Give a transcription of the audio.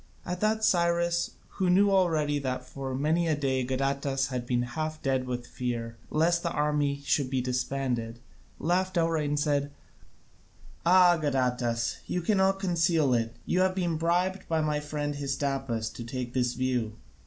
At that Cyrus, who knew already that for many a day Gadatas had been half dead with fear lest the army should be disbanded, laughed outright and said, "Ah, Gadatas, you cannot conceal it: you have been bribed by my friend Hystaspas to take this view."